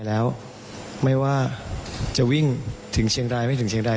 แล้วไม่ว่าจะวิ่งถึงเชียงรายไม่ถึงเชียงราย